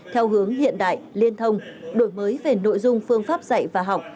theo hướng hiện đại liên thông đổi mới về nội dung phương pháp dạy và học